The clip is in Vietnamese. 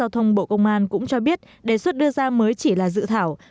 các giáo thông bộ công an cũng cho biết đề xuất đưa ra mới chỉ là dự thảo